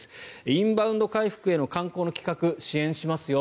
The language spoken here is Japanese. インバウンド回復への観光の企画、支援しますよ